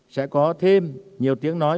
sẽ có thêm nhiều tiếng nói